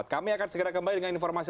kami akan segera kembali dengan informasi